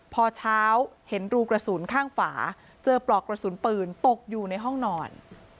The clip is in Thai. พอเช้าเห็นรูกระสุนข้างฝาเจอปลอกกระสุนปืนตกอยู่ในห้องนอน